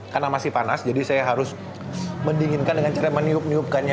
karena masih panas jadi saya harus mendinginkan dengan cara meniup niupkannya